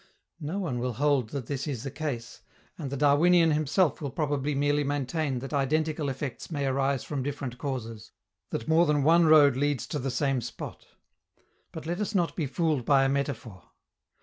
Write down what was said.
No one will hold that this is the case, and the Darwinian himself will probably merely maintain that identical effects may arise from different causes, that more than one road leads to the same spot. But let us not be fooled by a metaphor.